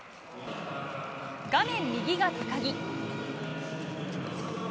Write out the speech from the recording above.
画面右が高木。